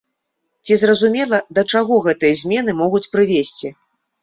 Ці зразумела, да чаго гэтыя змены могуць прывесці?